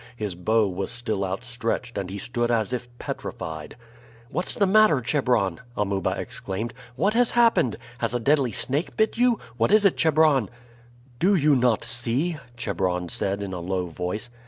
His bow was still outstretched, and he stood as if petrified. "What's the matter, Chebron?" Amuba exclaimed. "What has happened? Has a deadly snake bit you? What is it, Chebron?" "Do you not see?" Chebron said in a low voice.